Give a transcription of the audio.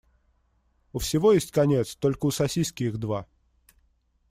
У всего есть конец, только у сосиски их два.